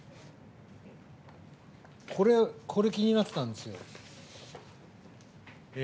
これ、気になってたんですよ。